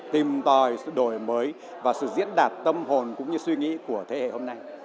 rồi đổi mới và sự diễn đạt tâm hồn cũng như suy nghĩ của thế hệ hôm nay